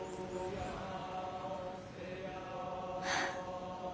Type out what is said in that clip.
・はあ。